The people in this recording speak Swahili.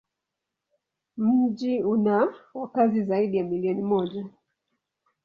Mji una wakazi zaidi ya milioni moja.